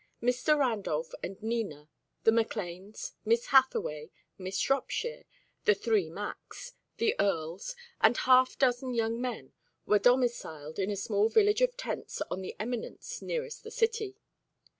Mr. Randolph and Nina, the McLanes, Miss Hathaway, Miss Shropshire, the "three Macs," the Earles, and a half dozen young men were domiciled in a small village of tents on the eminence nearest the city.